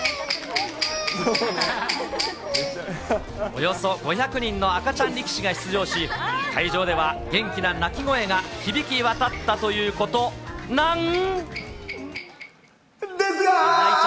およそ５００人の赤ちゃん力士が出場し、会場では元気な泣き声が響き渡ったということなん。